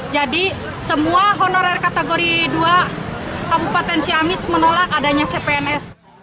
jadi semua honorer kategori dua kabupaten ciamis menolak adanya cpns